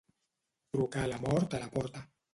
Trucar la mort a la porta.